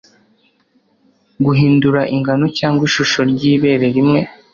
Guhindura ingano cyangwa ishusho ry'ibere rimwe